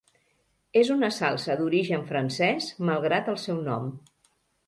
És una salsa d'origen francès malgrat el seu nom.